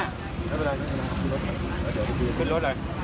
แม่ก็ให้โอกาสแม่ก็ให้โอกาสแม่